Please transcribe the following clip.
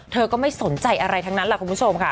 เธอก็ไม่สนใจอะไรทั้งนั้นล่ะคุณผู้ชมค่ะ